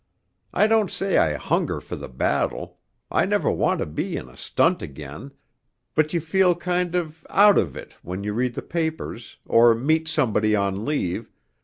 I don't say I hunger for the battle, I never want to be in a "stunt" again ... but you feel kind of "out of it" when you read the papers, or meet somebody on leave